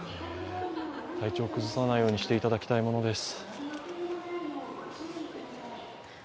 体調崩さないようにしていただきたいものです。